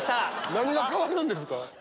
何が変わるんですか？